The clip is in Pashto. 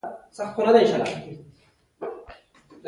پښتو ژبه تکنالوژي ژبې باندې بدلیدو وروسته پرمختګ کولی شي.